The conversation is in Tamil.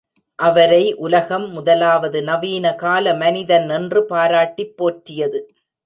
அவரை உலகம் முதலாவது நவீன கால மனிதன் என்று பாராட்டிப் போற்றியது.